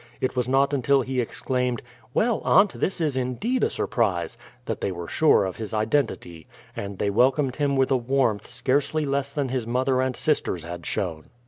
It was not until he exclaimed "Well, aunt, this is indeed a surprise!" that they were sure of his identity, and they welcomed him with a warmth scarcely less than his mother and sisters had shown.